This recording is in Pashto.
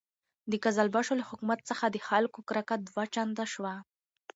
د قزلباشو له حکومت څخه د خلکو کرکه دوه چنده شوه.